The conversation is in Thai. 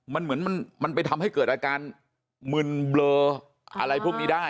มันเหมือนมันไปทำให้เกิดอาการมึนเบลออะไรพวกนี้ได้